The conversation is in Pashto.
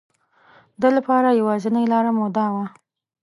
ده لپاره یوازینی لاره دا وه.